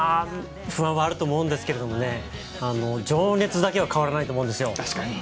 不安はあるかと思うんですけど情熱だけは変わらないと思うんです。